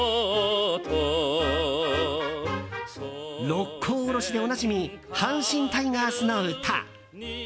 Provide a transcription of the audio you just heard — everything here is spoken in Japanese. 「六甲おろし」でおなじみ「阪神タイガースの歌」。